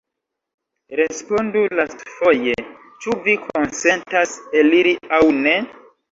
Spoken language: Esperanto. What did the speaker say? Respondu lastfoje, ĉu vi konsentas eliri aŭ ne?